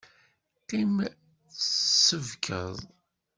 Qqim tsebkeḍ!